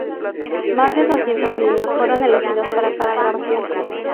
Más de doscientos niños fueron elegidos para cada grabación.